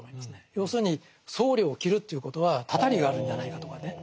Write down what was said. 要するに僧侶を斬るということはたたりがあるんじゃないかとかね。